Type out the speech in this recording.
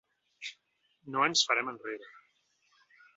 No ens farem enrere!